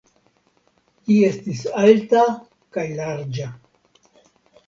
Ĝi estis alta kaj larĝa.